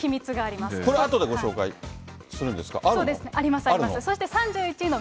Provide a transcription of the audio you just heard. これ、あとでご紹介するんであります。